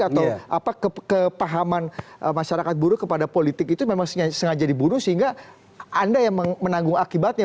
atau kepahaman masyarakat buruh kepada politik itu memang sengaja diburu sehingga anda yang menanggung akibatnya